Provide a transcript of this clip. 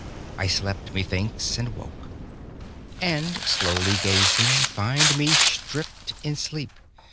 I slept, methinks, and woke, And, slowly gazing, find me stripped in sleep.